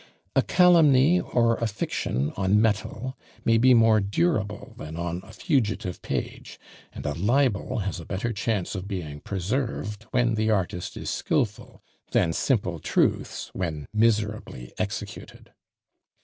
A calumny or a fiction on metal may be more durable than on a fugitive page; and a libel has a better chance of being preserved when the artist is skilful, than simple truths when miserably executed.